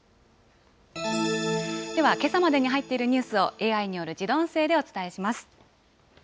では、けさまでに入っているニュースをＡＩによる自動音声でお伝えします。